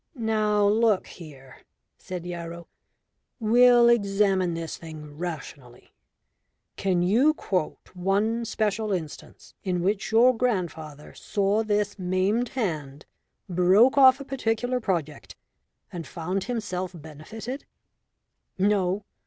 "Now, look here," said Yarrow, "we'll examine this thing rationally. Can you quote one special instance in which your grandfather saw this maimed hand, broke off a particular project, and found himself benefited?" "No.